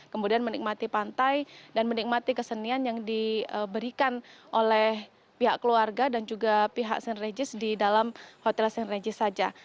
kemudian menikmati pantai dan menikmati kesenian yang diberikan oleh pihak keluarga dan juga pihak st regis di dalam hotel st regis saja